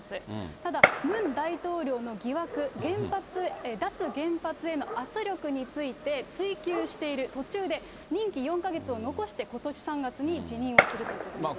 ただ、ムン大統領の疑惑、脱原発への圧力について追及している途中で、任期４か月を残して、ことし３月に辞任をするということになりました。